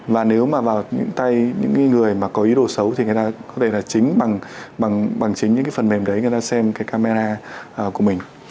và nếu mà vào những tay những người mà có ý đồ xấu thì người ta có thể là chính bằng chính những cái phần mềm đấy người ta xem cái camera của mình